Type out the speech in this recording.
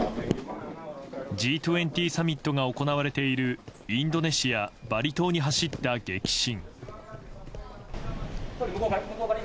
Ｇ２０サミットが行われているインドネシア・バリ島に走った激震。